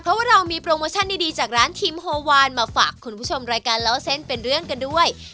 เพราะว่าเรามีโปรโมชั่นดีจากร้านทีมโฮวานมาฝากคุณผู้ชมรายการเล่าเส้นเป็นเรื่องกันด้วย